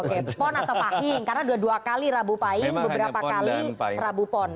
oke pon atau pahing karena dua dua kali rabu pahing beberapa kali rabu pon